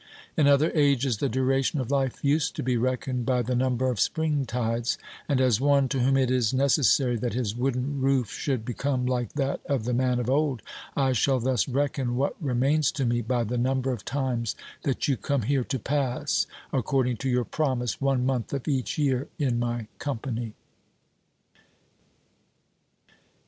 In other ages the duration of life used to be reckoned by the number of spring tides, and as one, to whom it is necessary that his wooden roof should become like that of the man of old, I shall thus reckon what remains to me by the number of times that you come here to pass, according to your promise, one month of each year in my company.